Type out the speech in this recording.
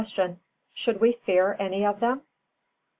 _Should we fear any of them?